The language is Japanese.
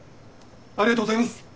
ありがとうございます！